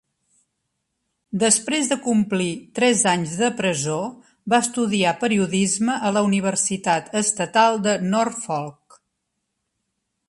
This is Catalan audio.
Després de complir tres anys de presó, va estudiar periodisme a la Universitat Estatal de Norfolk.